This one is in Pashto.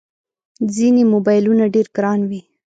ځینې موبایلونه ډېر ګران وي.